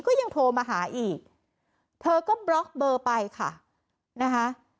ก็ยังโทรมาหาอีกเธอก็บล็อกเบอร์ไปค่ะนะคะ